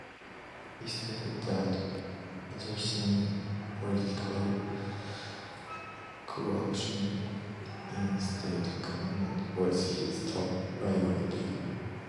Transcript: He stated that addressing political corruption in state government was his top priority.